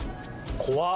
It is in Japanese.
怖っ。